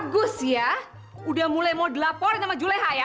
gus ya udah mulai mau dilaporin sama juleha ya